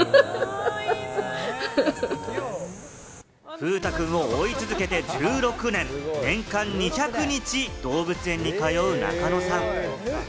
風太くんを追い続けて１６年、年間２００日、動物園に通う中野さん。